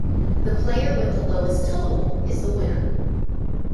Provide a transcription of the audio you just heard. The player with the lowest total is the winner.